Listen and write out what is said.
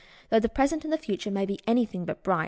Though the present and the future may be anything but bright.